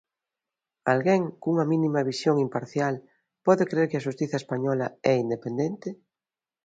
Alguén, cunha mínima visión imparcial, pode crer que a xustiza española é independente?